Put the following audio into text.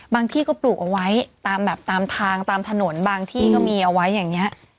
ที่ก็ปลูกเอาไว้ตามแบบตามทางตามถนนบางที่ก็มีเอาไว้อย่างนี้